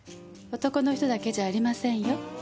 男の人だけじゃありませんよ。